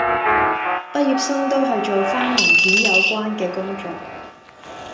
畢業生都係做返文件有關嘅工作